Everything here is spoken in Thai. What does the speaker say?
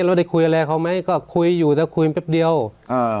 เราได้คุยอะไรเขาไหมก็คุยอยู่แต่คุยแป๊บเดียวอ่า